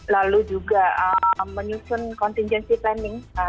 lalu juga menyusun contingency planning